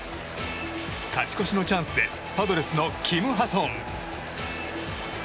勝ち越しのチャンスでパドレスのキム・ハソン。